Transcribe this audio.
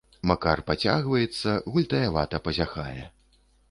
Макар пацягваецца, гультаявата пазяхае.